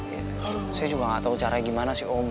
ya saya juga gak tahu caranya gimana sih om